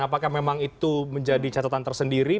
apakah memang itu menjadi catatan tersendiri